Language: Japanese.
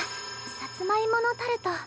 さつまいものタルト。